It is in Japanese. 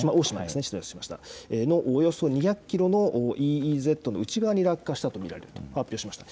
およそ２００キロのＥＥＺの内側に落下したと見られると発表しました。